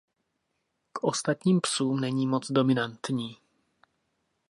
K ostatním psům není moc dominantní.